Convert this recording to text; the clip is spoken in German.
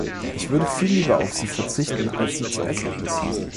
Ich würde viel lieber auf sie verzichten, als sie zu essen!